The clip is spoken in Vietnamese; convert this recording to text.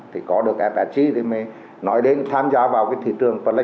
thì có được fsg thì mới nói đến tham gia vào cái thị trường pelletti hoặc lanci hoặc thổi về thị trường khác